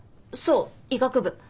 そう医学部。